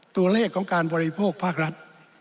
ตัวเลขของการบริโภคภาครัฐ